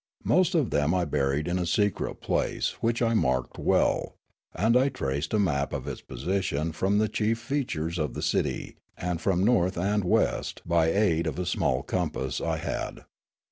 Most of them I buried in a secret place, which I marked well ; and I traced a map of its position from the chief features of the city, and from north and west by aid of a small compass I had.